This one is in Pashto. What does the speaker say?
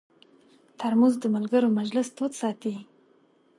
ترموز د ملګرو مجلس تود ساتي.